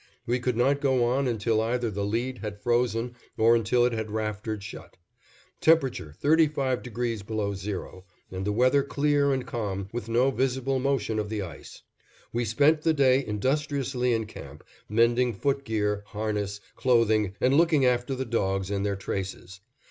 We could not go on until either the lead had frozen or until it had raftered shut. Temperature 35° below zero, and the weather clear and calm with no visible motion of the ice. We spent the day industriously in camp, mending foot gear, harness, clothing, and looking after the dogs and their traces.